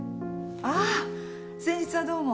ああ先日はどうも。